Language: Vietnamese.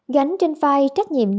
gánh trên vai trách nhiệm nặng nề